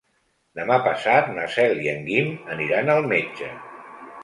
Demà passat na Cel i en Guim aniran al metge.